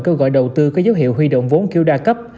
câu gọi đầu tư có dấu hiệu huy động vốn kiêu đa cấp